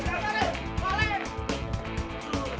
kau berdua jalan dulu